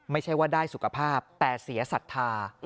ไม่ใช่ว่าได้สุขภาพแต่เสียศรัทธา